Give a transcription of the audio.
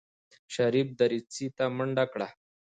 شريف دريڅې ته منډه کړه.